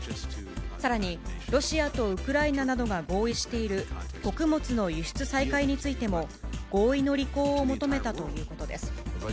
さらに、ロシアとウクライナなどが合意している、穀物の輸出再開についても、合意の履行を求めたということです。